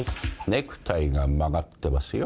ネクタイが曲がってますよ。